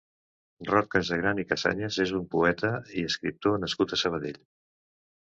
Roc Casagran i Casañas és un poeta i escriptor nascut a Sabadell.